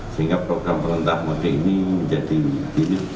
sehingga program perlentah mudik ini menjadi ini